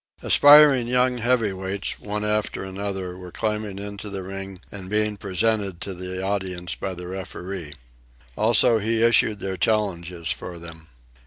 Aspiring young heavyweights, one after another, were climbing into the ring and being presented to the audience by the referee. Also, he issued their challenges for them.